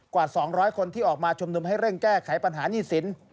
กว่า๒๐๐คนที่ออกมาชุมนุมให้เร่งแก้ไขปัญหานี่สิน